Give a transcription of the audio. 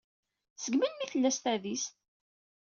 Seg melmi ay tella s tadist?